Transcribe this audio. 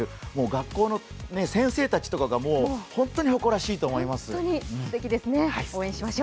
学校の先生たちとかがもう本当に誇らしいと思います。